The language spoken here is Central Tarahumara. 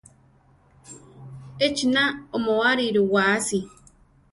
Echina oʼmoáriru wáasi.